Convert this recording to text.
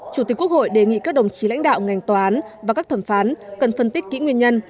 chủ tịch quốc hội đề nghị các đồng chí lãnh đạo ngành tòa án và các thẩm phán cần phân tích kỹ nguyên nhân